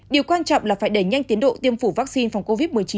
điều quan trọng là phải đẩy nhanh tiến độ tiêm chủng vaccine phòng covid một mươi chín